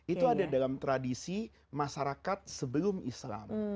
itu ada dalam tradisi masyarakat sebelum islam